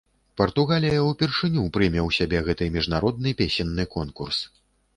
Партугалія ўпершыню прыме ў сябе гэты міжнародны песенны конкурс.